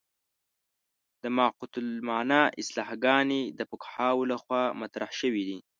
د معقولة المعنی اصطلاحګانې د فقهاوو له خوا مطرح شوې دي.